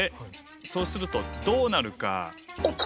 そうするとどうなるか？